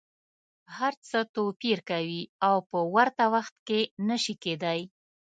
هر څه توپیر کوي او په ورته وخت کي نه شي کیدای.